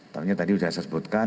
tentunya tadi sudah saya sebutkan